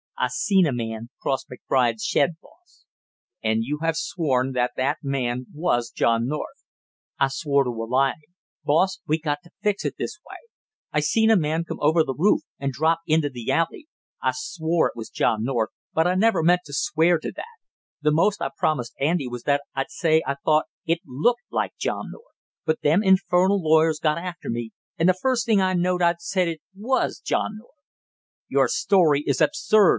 "I seen a man cross McBride's shed, boss." "And you have sworn that that man was John North." "I swore to a lie. Boss, we got to fix it this way: I seen a man come over the roof and drop into the alley; I swore it was John North, but I never meant to swear to that; the most I promised Andy was that I'd say I thought it looked like John North, but them infernal lawyers got after me, and the first thing I knowed I'd said it was John North!" "Your story is absurd!"